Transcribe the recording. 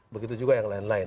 begitu juga yang lain lain